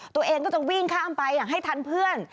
ตัวเองก็จะวิ่งข้ามไปอย่างให้ทันเพื่อน